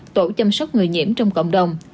tổ chăm sóc người nhiễm trong cộng đồng